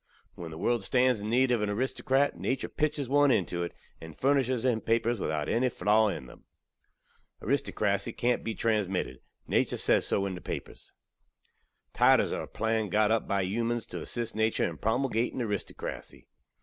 When the world stands in need ov an aristokrat, natur pitches one into it, and furnishes him papers without enny flaw in them. Aristokrasy kant be transmitted natur sez so in the papers. Titles are a plan got up bi humans tew assist natur in promulgating aristokrasy.